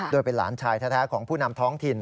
โดยเป็นหลานชายแท้ของผู้นำท้องถิ่น